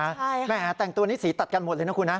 แหมแต่งตัวนี้สีตัดกันหมดเลยนะคุณนะ